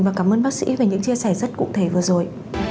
và cảm ơn bác sĩ về những chia sẻ rất cụ thể vừa rồi